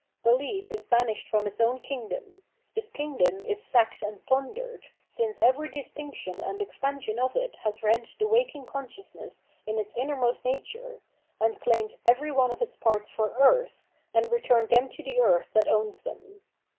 * Belief is banished from its own kingdom ; this kingdom is sacked and plundered, since every distinction and expansion of it has rent the waking consciousness in its innermost nature, and claimed every one of its parts for earth, and returned them to the earth that owns them.